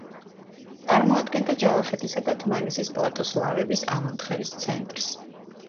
წარმოადგენდა ჯავახეთისა და დმანისის პლატოს ლავების ამონთხევის ცენტრს.